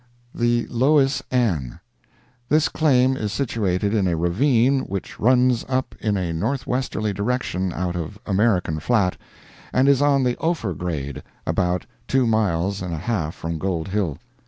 THE LOIS ANN.—This claim is situated in a ravine which runs up in a northwesterly direction out of American Flat, and is on the Ophir Grade, about two miles and a half from Gold Hill.